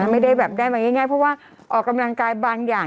ไม่ได้แบบได้มาง่ายเพราะว่าออกกำลังกายบางอย่าง